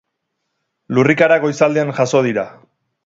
Lurrikarak goizaldean jazo dira.